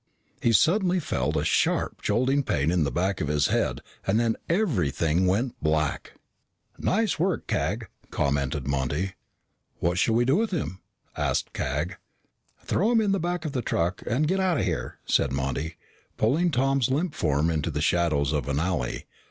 He suddenly felt a sharp jolting pain in the back of his head and then everything went black. "Nice work, Cag," commented Monty. "What'll we do with him?" asked Cag. "Throw him in the back of the truck and get outta here," said Monty, pulling Tom's limp form into the shadows of an alley.